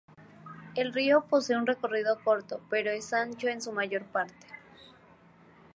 El río posee un recorrido corto, pero es ancho en su mayor parte.